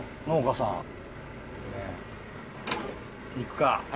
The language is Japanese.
行くか。